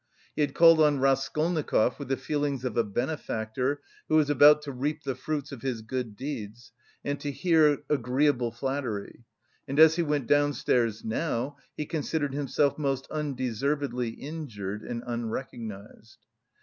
He had called on Raskolnikov with the feelings of a benefactor who is about to reap the fruits of his good deeds and to hear agreeable flattery. And as he went downstairs now, he considered himself most undeservedly injured and unrecognised.